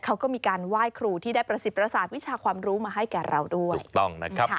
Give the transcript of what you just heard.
เขาก็มีการไหว้ครูที่ได้ประสิทธิประสาทวิชาความรู้มาให้แก่เราด้วยถูกต้องนะครับ